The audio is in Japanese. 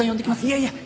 いやいや。